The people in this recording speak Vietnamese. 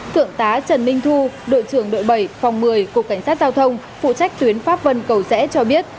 thượng tá trần minh thu đội trưởng đội bảy phòng một mươi cục cảnh sát giao thông phụ trách tuyến pháp vân cầu rẽ cho biết